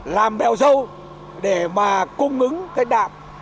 làm bèo dâu để mà cung ứng cái đạm